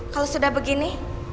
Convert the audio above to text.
kalau sudah begini